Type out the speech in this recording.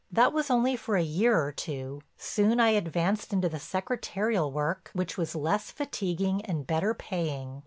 That was only for a year or two; soon I advanced into the secretarial work which was less fatiguing and better paying.